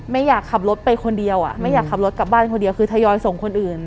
ไม่อยากขับรถไปคนเดียวอ่ะไม่อยากขับรถกลับบ้านคนเดียวคือทยอยส่งคนอื่น